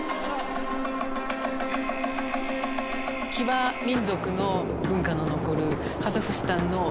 騎馬民族の文化の残るカザフスタンの